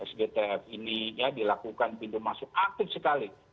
sgtf ini ya dilakukan pintu masuk aktif sekali